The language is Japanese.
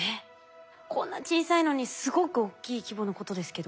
こんな小さいのにすごく大きい規模のことですけど。